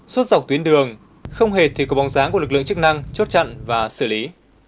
suốt dọc tuyến đường không hề thì có bóng dáng của lực lượng chức năng chốt chặn và xử lý